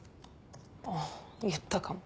ああ言ったかも。